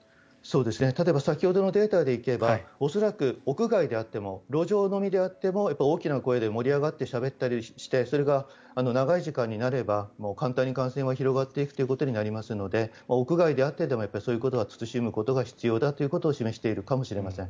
例えば先ほどのデータで行けば恐らく屋外であっても路上飲みであっても大きな声で盛り上がってしゃべったりしてそれが長い時間になれば簡単に感染は広がっていくことになりますので屋外であってもそういうことは慎むことが必要だと示しているかもしれません。